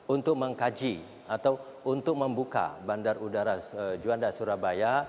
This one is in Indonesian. untuk mengkaji atau untuk membuka bandar udara juanda surabaya